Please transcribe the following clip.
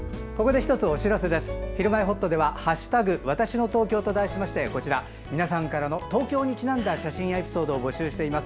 「ひるまえほっと」では「＃わたしの東京」と題してこちら、皆さんから東京にちなんだエピソードを募集しています。